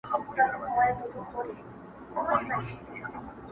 ټولو وویل چي ته الوتای نه سې٫